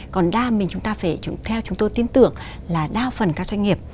còn đa mình chúng ta phải theo chúng tôi tin tưởng là đa phần các doanh nghiệp